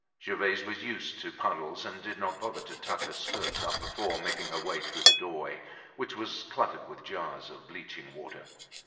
Gervaise was used to puddles and did not bother to tuck her skirts up before making her way through the doorway, which was cluttered with jars of bleaching water.